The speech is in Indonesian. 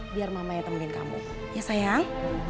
biar mama yang temenin kamu ya sayang